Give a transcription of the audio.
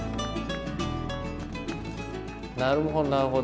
なるほどなるほど。